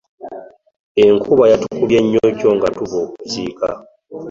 Enkuba yatukubye nnyo jjo nga tuva okuziika.